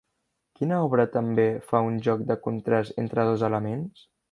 Quina obra també fa un joc de contrast entre dos elements?